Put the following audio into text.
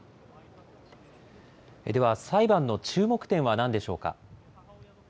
では裁判の注目点は何でしょうか。